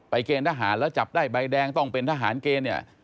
เกณฑ์ทหารแล้วจับได้ใบแดงต้องเป็นทหารเกณฑ์เนี่ย